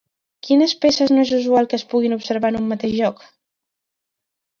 Quines peces no és usual que es puguin observar en un mateix lloc?